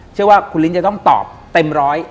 เชื่อว่าคุณลิ้นจะต้องตอบเต็มร้อย